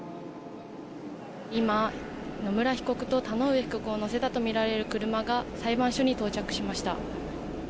今、野村被告と田上被告を乗せたとみられる車が裁判所に到着しました。